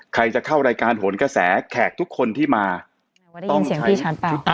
ใครจะเข้ารายการหนกระแสแขกทุกคนที่มาต้องใช้ชุดแบบนี้นะครับ